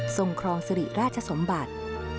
ทรงครองสริราชสมบัติ